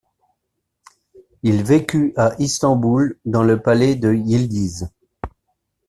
Il vécut à Istanbul, dans le palais de Yıldız.